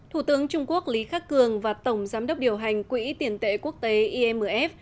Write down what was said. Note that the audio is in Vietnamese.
thủ tướng trung quốc lý khắc cường và tổng giám đốc điều hành quỹ tiền tệ quốc tế imf